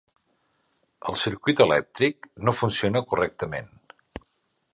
El circuit elèctric no funciona correctament.